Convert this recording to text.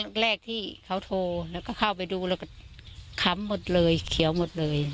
แรกที่เขาโทรแล้วก็เข้าไปดูแล้วก็ค้ำหมดเลยเขียวหมดเลย